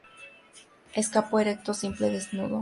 Escapo erecto, simple, desnudo.